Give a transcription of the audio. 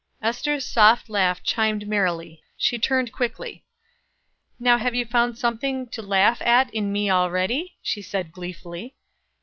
Ester's softly laugh chimed merrily; she turned quickly. "Now have you found something to laugh at in me already?" she said gleefully.